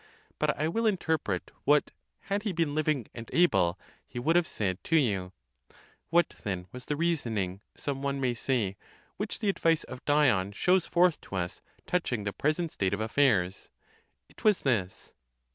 But I will interpret what, had he been living and able, he would have said+ to you. What then was the reasoning, some one may say, which the advice of Dion shows forth to us touching the pre sent state of affairs? It was this.